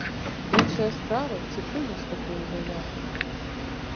Іншая справа, ці прымуць такую заяву.